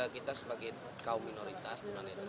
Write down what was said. kita sebagai kaum minoritas